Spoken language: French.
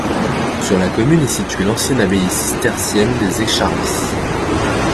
Sur la commune est située l'ancienne abbaye cistercienne des Écharlis.